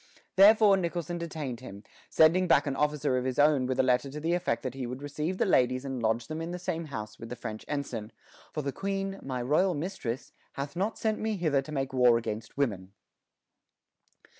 Therefore Nicholson detained him, sending back an officer of his own with a letter to the effect that he would receive the ladies and lodge them in the same house with the French ensign, "for the queen, my royal mistress, hath not sent me hither to make war against women."